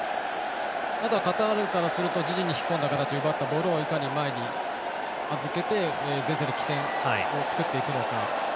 あとはカタールからすると自陣に引っ込んで奪ったボールをいかに前に預けて前線に起点を作っていくのか。